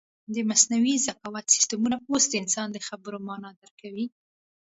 د مصنوعي ذکاوت سیسټمونه اوس د انسان د خبرو مانا درک کوي.